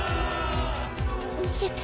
逃げて。